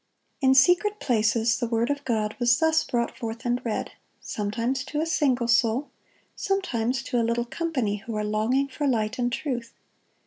In secret places the word of God was thus brought forth and read, sometimes to a single soul, sometimes to a little company who were longing for light and truth.